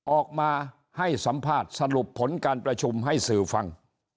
ออกมาให้สัมภาษณ์สรุปผลการประชุมให้สื่อฟัง